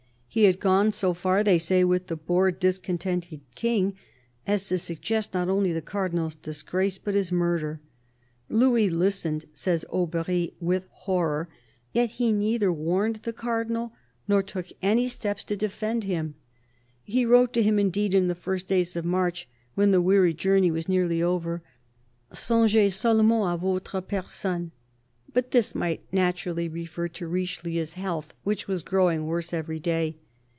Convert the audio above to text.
He had gone so far, they say, with the bored, discontented King, as to suggest not only the Cardinal's disgrace, but his murder. Louis listened, sayfe Aubery, with horror; yet he neither warned the Cardinal nor took any steps to defend him. 284 CARDINAL DE RICHELIEU He wrote to him indeed in the first days of March, when the weary journey was nearly over, "songes seulement a vostre persone "; but this might naturally refer to Richelieu's health, which was growing worse every day.